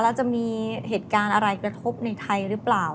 แล้วจะมีเหตุการณ์อะไรกระทบในไทยหรือเปล่า